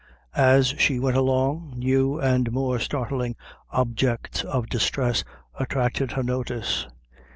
As she went along, new and more startling objects of distress attracted her notice.